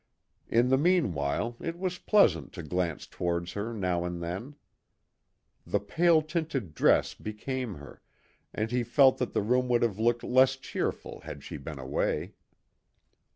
In the meanwhile it was pleasant to glance towards her now and then. The pale tinted dress became her, and he felt that the room would have looked less cheerful had she been away.